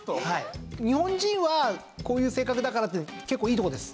日本人はこういう性格だからって結構いいとこです。